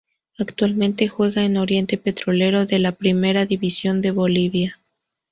Actualmente juega en Oriente Petrolero de la Primera División de Bolivia.